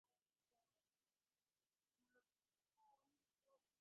ললিতা তাহার উত্তর না দিয়া কহিল, আজ তোর বন্ধুর বাড়িতে যাবি নে?